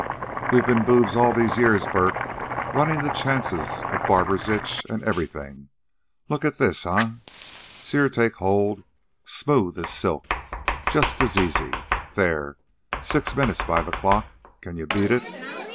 "We've ben boobs all these years, Bert, runnin' the chances of barber's itch an' everything. Look at this, eh? See her take hold. Smooth as silk. Just as easy.... There! Six minutes by the clock. Can you beat it?